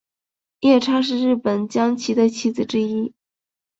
夜叉是日本将棋的棋子之一。